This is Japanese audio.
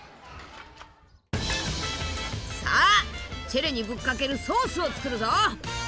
さあチェレにぶっかけるソースを作るぞ！